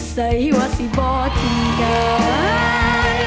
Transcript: ไซวาซิบอททิมกัน